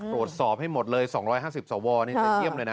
ตรวจสอบให้หมดเลย๒๕๐สวนี่จะเยี่ยมเลยนะ